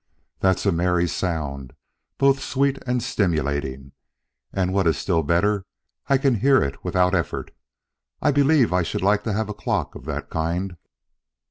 "That's a merry sound both sweet and stimulating; and what is still better, I can hear it without effort. I believe I should like to have a clock of that kind."